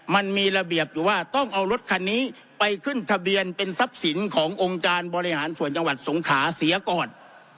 มันมีระเบียบอยู่ว่าต้องเอารถคันนี้ไปขึ้นทะเบียนเป็นทรัพย์สินขององค์การบริหารส่วนจังหวัดสงขาเสียก่อน